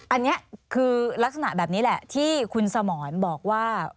อันนี้คือลักษณะแบบนี้แหละที่คุณสมรบอกว่า